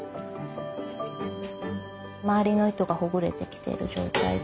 周りの糸がほぐれてきている状態で。